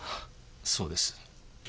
そうです。